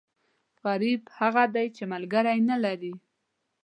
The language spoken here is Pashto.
غریب هغه دی، چې ملکری نه لري.